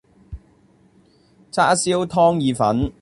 叉燒湯意粉